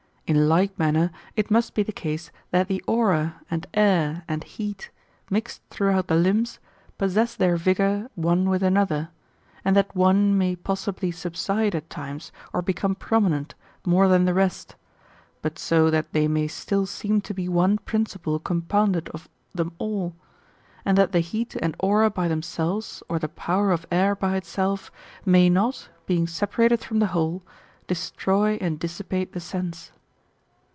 In like manner, it must be the case that the aura, and air, and heat, mixed throughout the limbs, possess their vigour one with another ; and that one may possibly subside at times, or become prominent, more than the rest ; but so that they may still seem to be one prin ciple compounded of them all ; and that the heat and aura by themselves, or the power of air by itself, may not, being se parated from the whole, destroy and dissipate the sense.